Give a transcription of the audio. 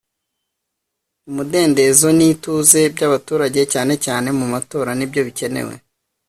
umudendezo n ituze by abaturage cyane cyane mumatora nibyo bikenewe